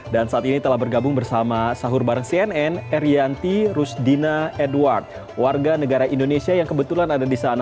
dan saat ini telah bergabung bersama sahur bareng cnn erianti rusdina edward warga negara indonesia yang kebetulan ada di sana